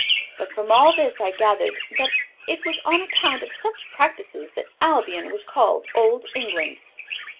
But from all this I gathered that it was on account of such practices that Albion was called Old England.